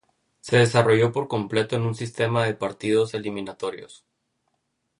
Se desarrolló por completo en un sistema de partidos eliminatorios.